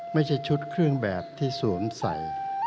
ไม่ใช่ชุดเครื่องแบบที่สวมใส่